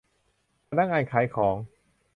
พนักงานขายของ